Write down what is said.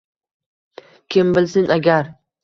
Kim bilsin agar